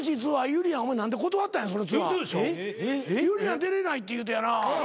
ゆりやん出れないって言うてやな。